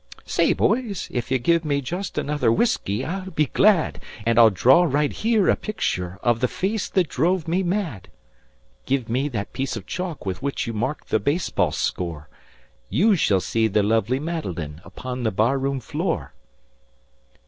"Say, boys, if you give me just another whiskey I'll be glad, And I'll draw right here a picture of the face that drove me mad. Give me that piece of chalk with which you mark the baseball score You shall see the lovely Madeline upon the barroon floor."